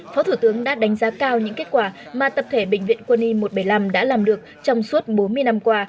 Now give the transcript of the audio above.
phó thủ tướng đã đánh giá cao những kết quả mà tập thể bệnh viện quân y một trăm bảy mươi năm đã làm được trong suốt bốn mươi năm qua